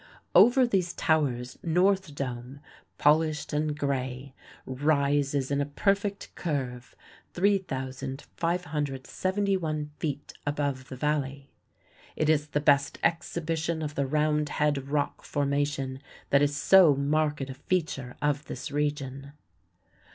Over these towers North Dome, polished and gray, rises in a perfect curve 3,571 feet above the Valley. It is the best exhibition of the round head rock formation that is so marked a feature of this region.